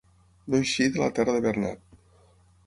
No eixir de la terra de Bernat.